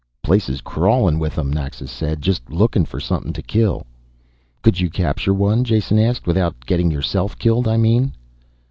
"Place's crawling with 'em," Naxa said, "just lookin' for somethin' t'kill." "Could you capture one?" Jason asked. "Without getting yourself killed, I mean."